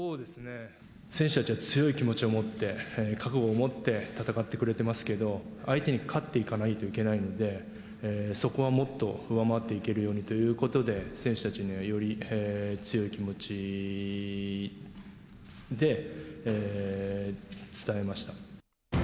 選手たちは強い気持ちを持って覚悟を持って戦ってくれてますけど、相手に勝っていかないといけないので、そこはもっと上回っていけるようにということで、選手たちにはより強い気持ちで伝えました。